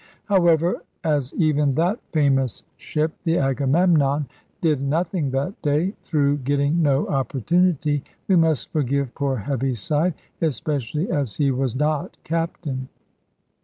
However, as even that famous ship the Agamemnon did nothing that day, through getting no opportunity, we must forgive poor Heaviside, especially as he was not captain.